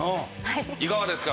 いかがですか？